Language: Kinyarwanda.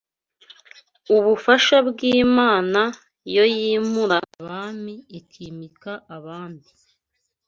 Ububasha bw’Imana Yo yīmura abami ikimika abandi